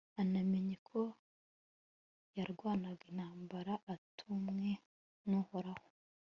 anamenye ko yarwanaga intambara atumwe n'uhoraho